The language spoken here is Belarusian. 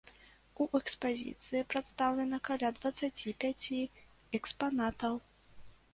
У экспазіцыі прадстаўлена каля дваццаці пяці экспанатаў.